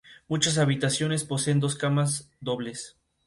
El laboratorio, todos los equipos y objetos personales habían desaparecido.